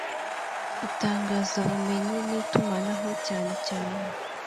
Itangazabumenyi n itumanaho cyane cyane